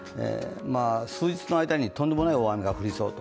数日の間にとんでもない大雨が降りそうと。